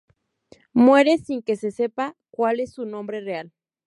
Muere sin que se sepa cuál es su nombre real.